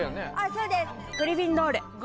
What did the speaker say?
そうです。